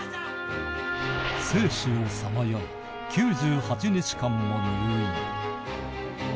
生死をさまよい、９８日間もの入院。